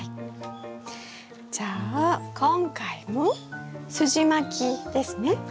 じゃあ今回もすじまきですね？